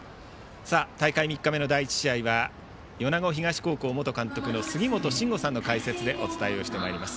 大会３日目の第１試合は米子東高校元監督の杉本真吾さんの解説でお伝えしてまいります。